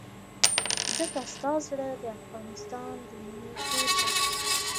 ځکه ستا زړه د افغانستان د مينې کور دی.